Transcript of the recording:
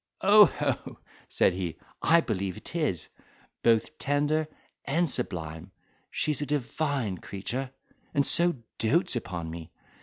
"Oh, ho!" said he, "I believe it is—both tender and sublime; she's a divine creature! and so doats upon me!